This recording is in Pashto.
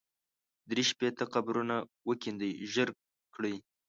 درې شپېته قبرونه وکېندئ ژر کړئ.